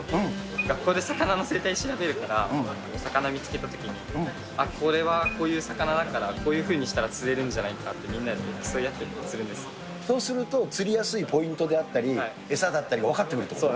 学校で魚の生態調べるから、魚見つけたときに、あっ、これはこういう魚だから、こういうふうにしたら釣れるんじゃないかって、みんなで競い合っそうすると、釣りやすいポイントであったり、餌だったり分かってくるってこと？